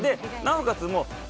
なおかつ